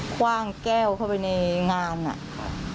คว่างแก้วเข้าไปในงานอ่ะ